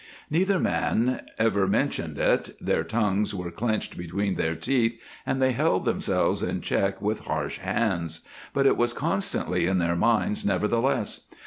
Neither man ever mentioned it their tongues were clenched between their teeth and they held themselves in check with harsh hands but it was constantly in their minds, nevertheless.